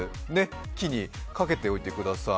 木にかけておいてください。